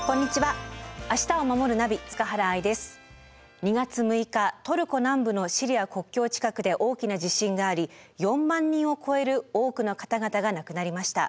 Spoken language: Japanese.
２月６日トルコ南部のシリア国境近くで大きな地震があり４万人を超える多くの方々が亡くなりました。